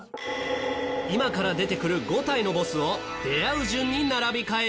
今から出てくる５体のボスを出会う順に並び替えよ。